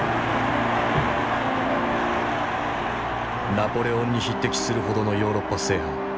ナポレオンに匹敵するほどのヨーロッパ制覇。